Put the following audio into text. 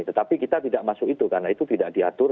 tetapi kita tidak masuk itu karena itu tidak diatur